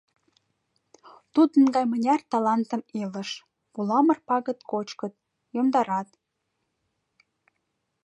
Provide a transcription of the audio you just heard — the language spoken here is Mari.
— Тудын гай мыняр талантым илыш, пуламыр пагыт кочкыт, йомдарат.